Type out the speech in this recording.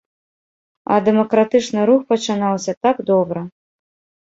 А дэмакратычны рух пачынаўся так добра.